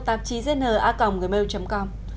tạp chí dnacom gmail com